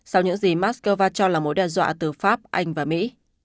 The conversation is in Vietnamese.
sau những gì moscow cho là mối đe dọa từ pháp anh và mỹ